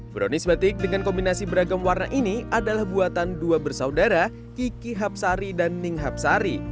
brownies batik dengan kombinasi beragam warna ini adalah buatan dua bersaudara kiki hapsari dan ning hapsari